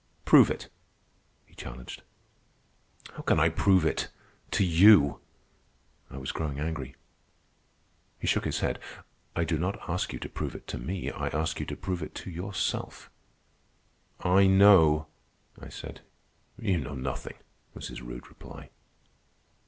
"Prove it," he challenged. "How can I prove it ... to you?" I was growing angry. He shook his head. "I do not ask you to prove it to me. I ask you to prove it to yourself." "I know," I said. "You know nothing," was his rude reply.